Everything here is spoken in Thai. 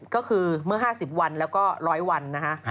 ก็คือเมื่อ๕๐วันแล้วก็๑๐๐วันนะฮะ